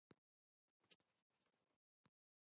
In its early days, Port Republic was known as Wrangleboro.